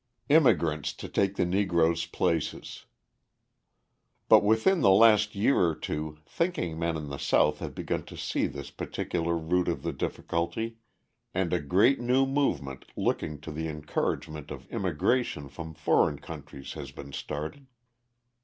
Immigrants to Take the Negroes' Places But within the last year or two thinking men in the South have begun to see this particular root of the difficulty and a great new movement looking to the encouragement of immigration from foreign countries has been started.